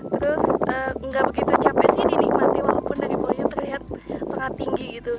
terus nggak begitu capek sih dinikmati walaupun dari bawahnya terlihat sangat tinggi gitu